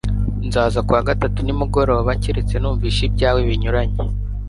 Nzaza ku wa gatatu nimugoroba keretse numvise ibyawe binyuranye